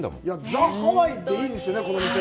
ザ・ハワイで、いいですね、このお店。